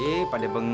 ih pada bengong sih